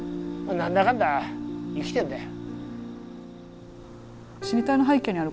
何だかんだ生きてんだよ。